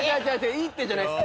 「いいって」じゃないです。